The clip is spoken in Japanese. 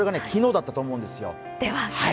それが昨日だったと思うんですよ。